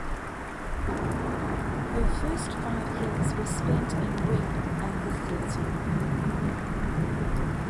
Her first five years were spent in rep and the theatre.